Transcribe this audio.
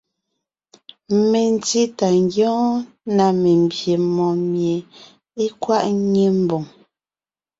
Mentí tà ńgyɔ́ɔn na membyè mɔɔn mie é kwaʼ ńnyé ḿboŋ.